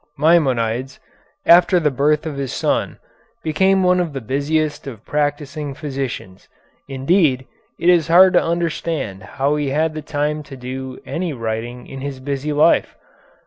Maimonides, after the birth of his son, became one of the busiest of practising physicians. Indeed, it is hard to understand how he had the time to do any writing in his busy life.